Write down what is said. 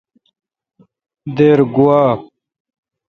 دیر گوا۔